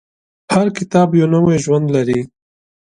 هر کتاب یو نوی ژوند لري.